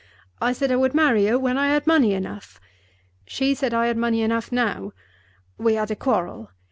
I said I would marry her when I had money enough. She said I had money enough now. We had a quarrel.